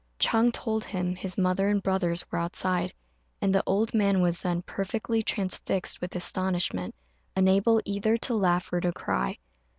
Ch'êng told him his mother and brothers were outside, and the old man was then perfectly transfixed with astonishment, unable either to laugh or to cry.